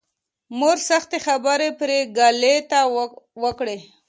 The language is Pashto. مور سختې خبرې پري ګلې ته وکړې